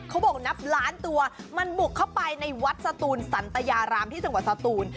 เขาบอกนับล้านตัวมันบุกเข้าไปในวัดสตูนสันตยารามที่จังหวัดสตูน